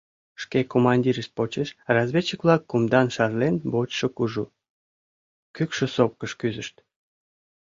Шке командирышт почеш разведчик-влак кумдан шарлен вочшо кужу, кӱкшӧ сопкыш кӱзышт.